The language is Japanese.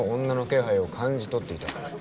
女の気配を感じとっていた